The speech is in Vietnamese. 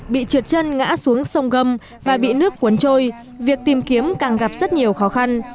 bị trượt chân ngã xuống sông gâm và bị nước cuốn trôi việc tìm kiếm càng gặp rất nhiều khó khăn